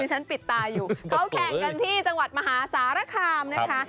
ฉันปิดตาอยู่เขาแข่งกันที่จังหวัดมหาสารคามนะคะ